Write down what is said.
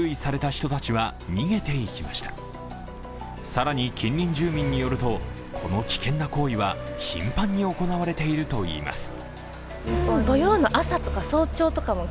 更に、近隣住民によると、この危険な行為は頻繁に行われているといいます。